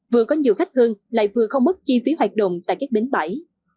vừa có nhiều khách hơn lại vừa không mất chi phí hoạt động tại các bến bãi